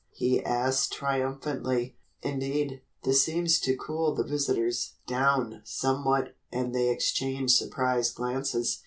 he asked triumphantly. Indeed, this seemed to cool the visitors down somewhat and they exchanged surprised glances.